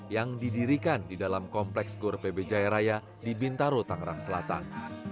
yang didirikan di dalam kompleks gor pb jaya raya di bintaro tangerang selatan